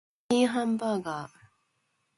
チキンハンバーガー